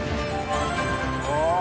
ああ！